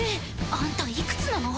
あんたいくつなの？